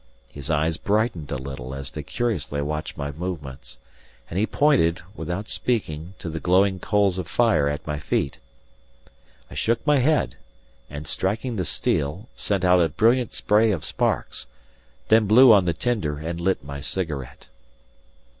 His eyes brightened a little as they curiously watched my movements, and he pointed without speaking to the glowing coals of fire at my feet. I shook my head, and striking the steel, sent out a brilliant spray of sparks, then blew on the tinder and lit my cigarette.